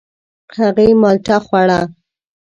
هغې مالټه خوړه.